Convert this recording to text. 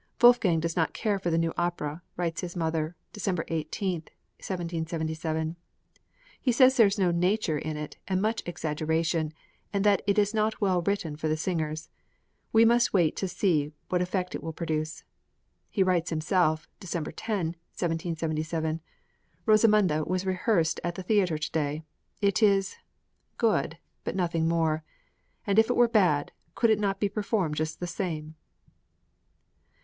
"Wolfgang does not care for the new opera," writes his mother (December 18, 1777), "he says there is no nature in it, and much exaggeration, and that it is not well written for the singers; we must wait to see what effect it will produce." He writes himself (December 10, 1777): "'Rosamunde' was rehearsed at the theatre to day; it is good, but nothing more; and if it were bad, could it not be performed just the same?"